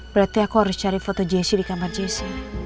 berarti aku harus cari foto jessy di kamar jessy